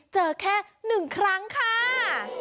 เจอแค่๑ครั้งค่ะ